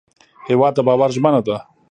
هېواد د باور ژمنه ده.